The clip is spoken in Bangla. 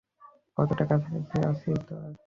কতটা কাছাকাছি আছি তার?